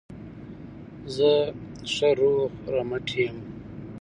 زه ښه روغ رمټ یم.